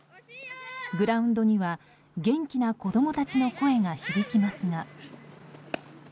グラウンドには、元気な子供たちの声が響きますが。